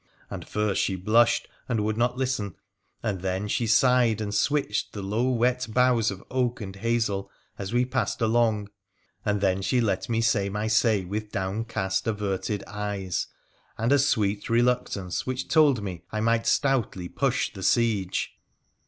An first she blushed and would not listen, and then she sighe and switched the low wet boughs of oak and hazel as ^ passed along, and then she let me say my say with downcas averted eyes, and a sweet reluctance which told me I migl etoutly push the siege.